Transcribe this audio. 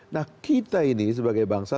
nah kita ini sebagai bangsa